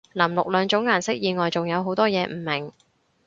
藍綠兩種顏色以外仲有好多嘢唔明